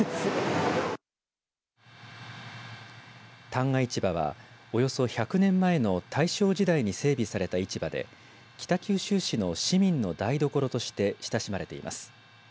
旦過市場はおよそ１００年前の大正時代に整備された市場で北九州市の市民の台所として親しまれています。